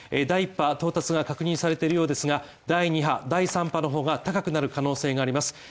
第一波が確認されているよう第２波第３波の方が高くなる可能性があります。